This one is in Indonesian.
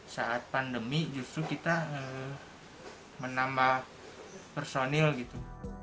saat pandemi justru kita menambah personil gitu